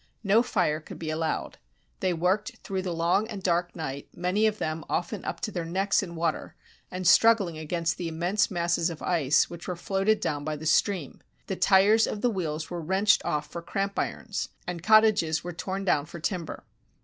No fire could be allowed. They worked through the long and dark night, many of them often up to their necks in water, and struggling against im mense masses of ice, which were floated down by the stream. The tires of the wheels were wrenched off for cramp irons, and cottages were torn down for timber.